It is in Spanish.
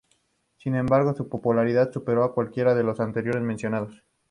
Sin embargo su popularidad superó a cualquiera de los anteriormente mencionados.